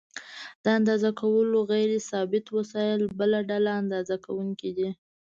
د اندازه کولو غیر ثابت وسایل بله ډله اندازه کوونکي دي.